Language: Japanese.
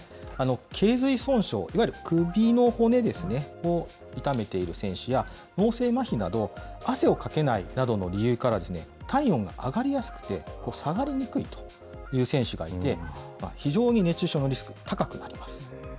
頚髄損傷、いわゆる首の骨ですね、を傷めている選手や、脳性まひなど、汗をかけないなどの理由から、体温が上がりやすくて下がりにくいという選手がいて、非常に熱中症のリスク、高くなります。